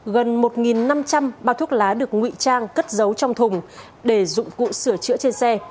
gần một năm trăm linh bao thuốc lá được nguy trang cất giấu trong thùng để dụng cụ sửa chữa trên xe